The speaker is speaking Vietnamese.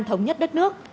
thống nhất đất nước